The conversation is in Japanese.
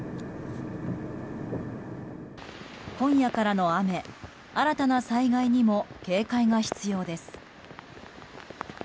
今夜からの雨新たな災害にも警戒が必要です。